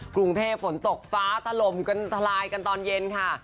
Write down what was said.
กรุงเทพฝนตกฟ้าถล่มกันทลายกันตอนเย็นค่ะ